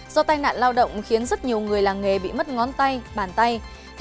do tai nạn lao động khiến rất nhiều người làng nghề bị mất ngón tay bàn tay